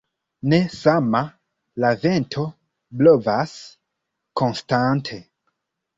Ne sama la vento blovas konstante.